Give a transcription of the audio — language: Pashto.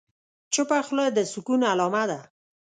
چپه خوله، د سکون علامه ده.